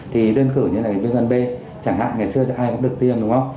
thì đơn cử như là cái vnvc chẳng hạn ngày xưa ai cũng được tiêm đúng không